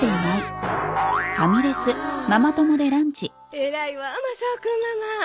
偉いわあマサオくんママ。